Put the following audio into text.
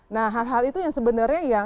nah hal hal itu yang sebenarnya yang